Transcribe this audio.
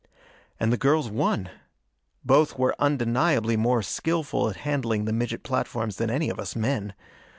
And the girls won. Both were undeniably more skilful at handling the midget platforms than any of us men.